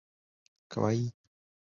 星组是宝冢歌剧团的第四个组。